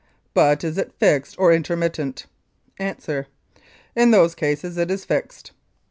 But is it fixed or intermittent? .4. In those cases it is fixed.